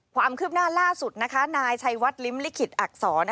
ความคืบหน้าล่าสุดนะคะนายชัยวัดลิ้มลิขิตอักษร